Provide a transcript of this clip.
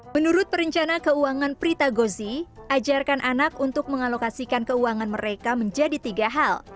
menurut perencana keuangan prita gozi ajarkan anak untuk mengalokasikan keuangan mereka menjadi tiga hal